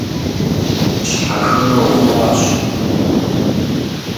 Щхьэхынэ ухъуащ.